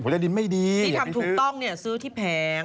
หวยใต้ดินไม่ดีอย่าเป็นซื้อที่ทำถูกต้องนี่ซื้อที่แผง